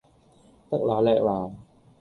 得啦叻啦